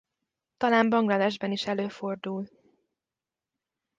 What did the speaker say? Talán Bangladesben is előfordul.